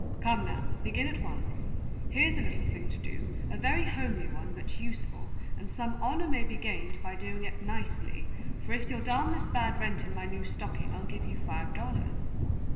Come, now, begin at once. Here's a little thing to do, a very homely one, but useful, and some honor may be gained by doing it nicely; for, if you'll darn this bad rent in my new stocking, I'll give you five dollars."